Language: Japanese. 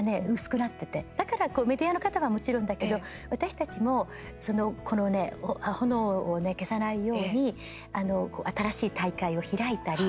だから、メディアの方はもちろんだけど、私たちもこの炎を消さないように新しい大会を開いたり。